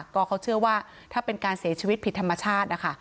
ก็เขาเชื่อว่าถ้าเป็นการเสียชีวิตผิดธรรมชาตินะคะ